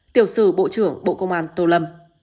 tiểu sử bộ trưởng bộ công an tô lâm